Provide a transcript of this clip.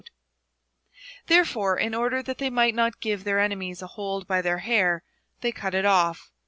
4 Therefore, in order that they might not give their enemies a hold by their hair, they cut it off.